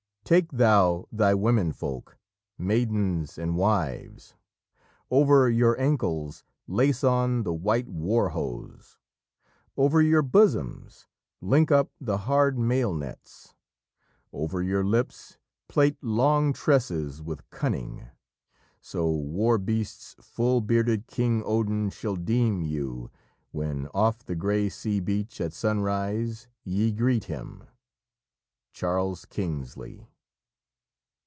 "Take thou thy women folk, Maidens and wives; Over your ankles Lace on the white war hose; Over your bosoms Link up the hard mail nets; Over your lips Plait long tresses with cunning; So war beasts full bearded King Odin shall deem you, When off the grey sea beach At sunrise ye greet him." Charles Kingsley.